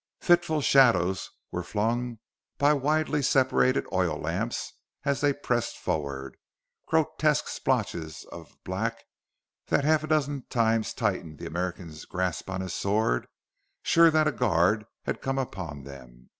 Fitful shadows were flung by widely separated oil lamps as they pressed forward grotesque splotches of black that half a dozen times tightened the American's grasp on his sword, sure that a guard had come upon them.